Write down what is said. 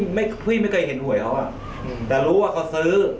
เพราะว่าพี่ไม่เคยเห็นหวยเขาแต่รู้ว่าเขาซื้อ